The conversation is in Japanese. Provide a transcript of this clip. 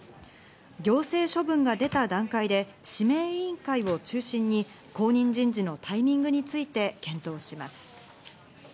行政処分が出た段階で指名委員会を中心に後任人事のタイミングについて検討します。